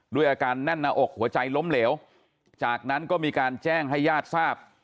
ด้วยอาการแน่นหน้าอกหัวใจล้มเหลวจากนั้นก็มีการแจ้งให้ญาติทราบ